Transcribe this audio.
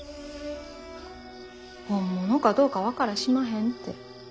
本物かどうか分からしまへんて。